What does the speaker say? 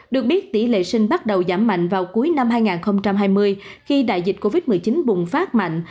được biết tỷ lệ sinh bắt đầu giảm mạnh vào cuối năm hai nghìn hai mươi khi đại dịch covid một mươi chín bùng phát mạnh